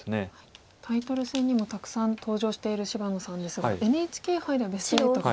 タイトル戦にもたくさん登場している芝野さんですがＮＨＫ杯ではベスト８が。